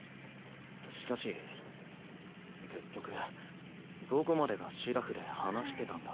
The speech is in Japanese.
しかし結局どこまでがしらふで話してたんだ？